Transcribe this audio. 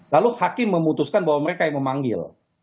lalu hakim memutuskan bahwa mereka yang memanggil